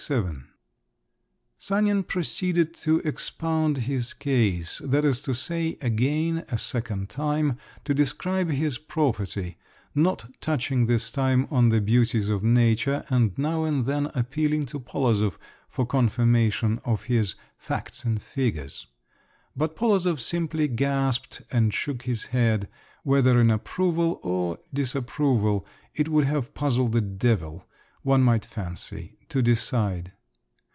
XXXVII Sanin proceeded to expound his case, that is to say, again, a second time, to describe his property, not touching this time on the beauties of nature, and now and then appealing to Polozov for confirmation of his "facts and figures." But Polozov simply gasped and shook his head, whether in approval or disapproval, it would have puzzled the devil, one might fancy, to decide.